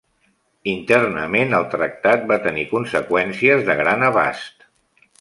Internament, el tractat va tenir conseqüències de gran abast.